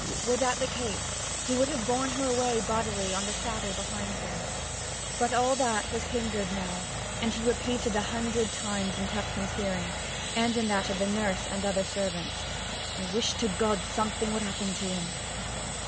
Were that the case, he would have borne her away bodily on the saddle behind him. But all that was hindered now, and he repeated a hundred times in Tupcombe's hearing, and in that of the nurse and other servants, 'I wish to God something would happen to him!'